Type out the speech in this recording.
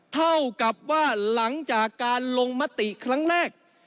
เท่ากับว่าหลังจากการลงมติครั้งแรก